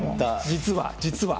実は、実は。